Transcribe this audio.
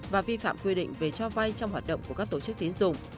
và vi phạm quy định về cho vay trong hoạt động của các tổ chức tiến dụng